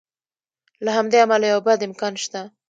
له همدې امله یو بد امکان شته.